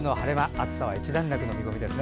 暑さは一段落の見込みです。